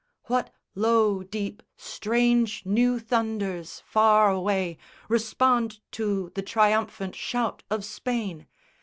What low deep strange new thunders far away Respond to the triumphant shout of Spain?